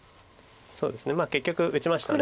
そうですねまあ結局打ちました。